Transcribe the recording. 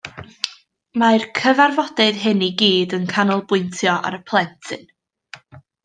Mae'r cyfarfodydd hyn i gyd yn canolbwyntio ar y plentyn